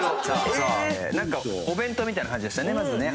なんかお弁当みたいな感じでしたね